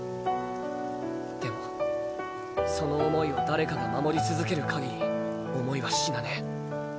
でもその思いを誰かが守り続けるかぎり思いは死なねぇ。